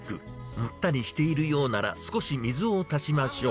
もったりしているようなら少し水を足しましょう。